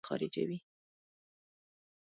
ورزش د بدن زهرجن مواد خارجوي.